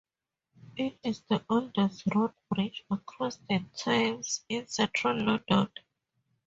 It is the oldest road bridge across the Thames in central London.